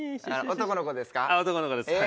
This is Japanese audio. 男の子ですはい。